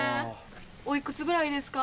お幾つぐらいですか？